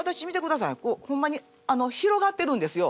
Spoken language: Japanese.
こうほんまに広がってるんですよ